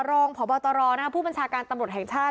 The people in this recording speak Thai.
รองพบตรผู้บัญชาการตำรวจแห่งชาติ